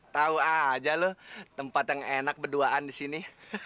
tahu aja lu tempat yang enak berduaan disini